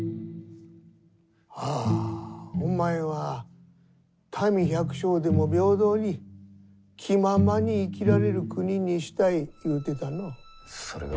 ああ、お前は民、百姓でも平等に気ままに生きられる国にしたい言うてたのぅ。